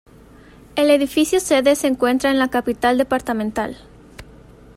El edificio sede se encuentra en la capital departamental.